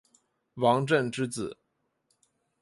王震之子。